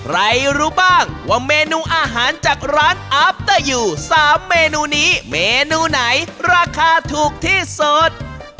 รู้บ้างว่าเมนูอาหารจากร้านอาบเตอร์ยู๓เมนูนี้เมนูไหนราคาถูกที่สุด